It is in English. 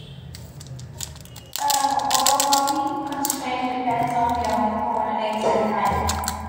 A holonomic constraint depends only on the coordinates and time.